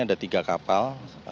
ada tiga kapal